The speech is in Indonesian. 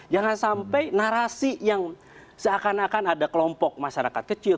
jangan sampai narasi yang seakan akan ada kelompok masyarakat kecil